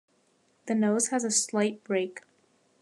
The nose has a slight break.